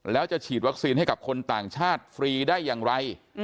แล้วจะฉีดวัคซีนให้กับคนต่างชาติฟรีได้อย่างไร